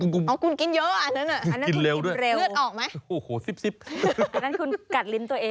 อันนั้นคุณกินเร็วด้วยอันนั้นคุณกินเร็วอันนั้นคุณกัดลิ้นตัวเอง